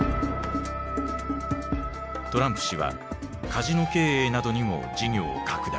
トランプ氏はカジノ経営などにも事業を拡大。